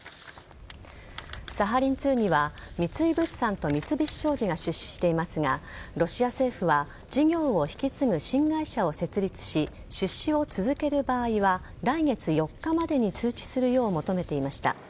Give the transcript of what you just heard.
サハリン２には三井物産と三菱商事が出資していますがロシア政府は事業を引き継ぐ新会社を設立し出資を続ける場合は来月４日までに通知するよう求めていました。